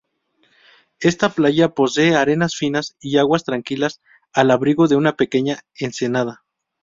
Esta playa posee arenas finas y aguas tranquilas al abrigo de una pequeña ensenada.